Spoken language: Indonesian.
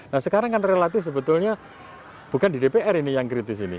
nah sekarang kan relatif sebetulnya bukan di dpr ini yang kritis ini